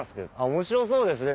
面白そうですね